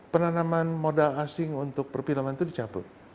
penanaman modal asing untuk perfilman itu dicabut